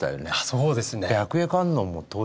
そうなんですね。